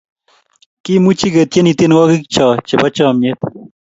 Kimuchi ketienie tienwogik cho chebo chamnyet